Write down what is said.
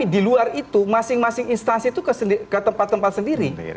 di luar itu masing masing instansi itu ke tempat tempat sendiri